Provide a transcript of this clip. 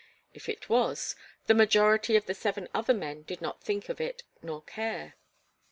If it was, the majority of the seven other men did not think of it nor care.